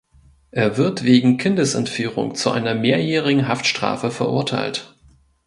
Er wird wegen Kindesentführung zu einer mehrjährigen Haftstrafe verurteilt.